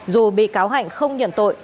dù bị cáo hạnh không nhận tội